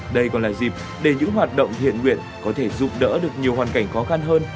đây còn là dịp để những hoạt động thiện nguyện có thể giúp đỡ được nhiều hoàn cảnh khó khăn hơn